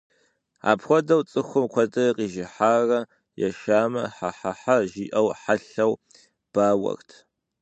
Апхуэдэу, цӀыхум куэдрэ къижыхьарэ ешамэ «хьэ-хьэ-хьэ» жиӀэу хьэлъэу бауэрт.